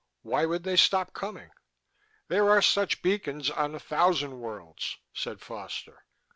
Why would they stop coming?" "There are such beacons on a thousand worlds," said Foster.